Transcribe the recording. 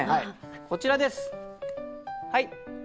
こちらです。